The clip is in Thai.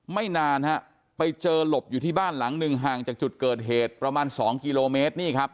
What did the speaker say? ไม่นานฮะไปเจอหลบอยู่ที่บ้านหลังหนึ่งห่างจากจุดเกิดเหตุประมาณ๒กิโลเมตรนี่ครับ